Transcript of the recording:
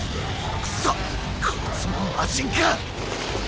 くそっこいつも魔神か！